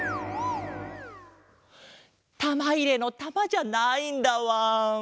たまいれのたまじゃないんだわん。